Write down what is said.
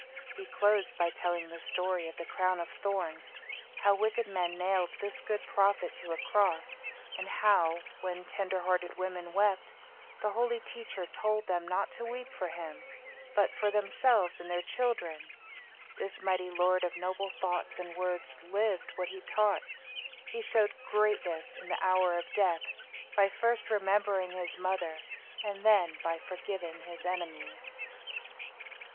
He closed by telling the story of the crown of thorns, how wicked men nailed this good prophet to a cross, and how, when tender hearted women wept, the Holy Teacher told them not to weep for him, but for themselves and their children. This mighty lord of noble thoughts and words lived what he taught. He showed greatness in the hour of death, by first remembering his mother, and then by forgiving his enemies.